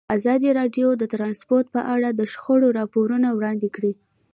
ازادي راډیو د ترانسپورټ په اړه د شخړو راپورونه وړاندې کړي.